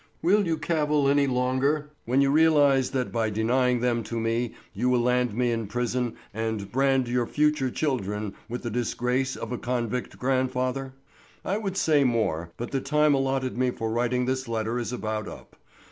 Will you cavil any longer when you realize that by denying them to me you will land me in prison and brand your future children with the disgrace of a convict grandfather? I would say more, but the time allotted me for writing this letter is about up.